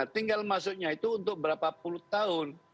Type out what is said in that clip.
tinggal masuknya itu untuk berapa puluh tahun